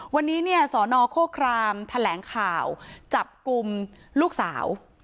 วันนี้สอนอโครครามแถลงข่าวจับกลุ่มลูกสาว